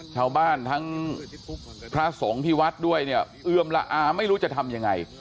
ชาวบ้านทั้งพระสงฆ์พิวัตรด้วยเนี่ยเอือมละอาไม่รู้จะทำยังไง